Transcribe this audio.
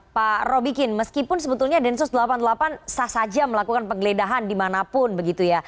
pak robikin meskipun sebetulnya densus delapan puluh delapan sah saja melakukan penggeledahan dimanapun begitu ya